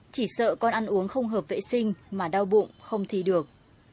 chỉ sợ con ăn uống không hợp vệ sinh mà đau bụng không thi được